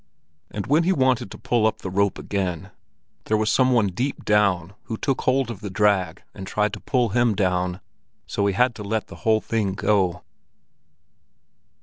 And when he wanted to pull up the rope again, there was some one deep down who caught hold of the drag and tried to pull him down, so he had to let the whole thing go.